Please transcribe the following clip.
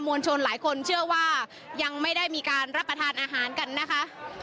วลชนหลายคนเชื่อว่ายังไม่ได้มีการรับประทานอาหารกันนะคะ